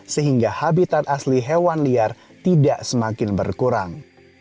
sehingga habitat asli hewan liar tidak semakin berkurang